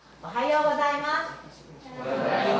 おはようございます。